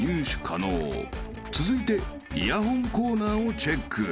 ［続いてイヤホンコーナーをチェック］